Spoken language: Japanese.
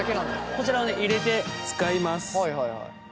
こちらをね入れて使います。